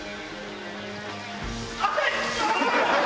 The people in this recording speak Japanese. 熱い！